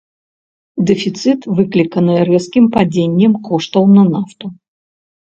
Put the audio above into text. Дэфіцыт выкліканы рэзкім падзеннем коштаў на нафту.